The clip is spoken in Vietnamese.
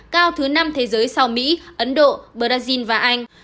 cao thứ năm thế giới sau mỹ ấn độ brazil và anh